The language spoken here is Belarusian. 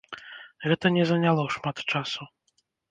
Гэта не заняло шмат часу.